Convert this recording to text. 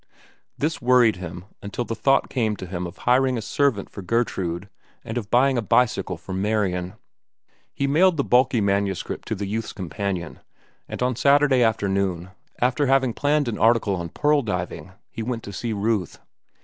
This worried him until the thought came to him of hiring a servant for Gertrude and of buying a bicycle for Marian. He mailed the bulky manuscript to The Youth's Companion, and on Saturday afternoon, after having planned an article on pearl diving, he went to see Ruth.